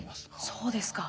そうですか。